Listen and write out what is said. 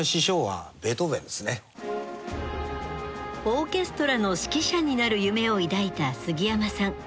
オーケストラの指揮者になる夢を抱いたすぎやまさん。